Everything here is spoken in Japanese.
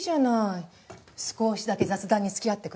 少しだけ雑談に付き合ってくれても。